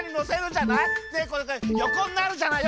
でよこになるじゃない？